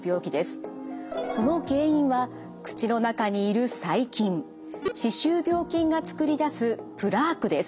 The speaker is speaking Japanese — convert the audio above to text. その原因は口の中にいる細菌歯周病菌が作り出すプラークです。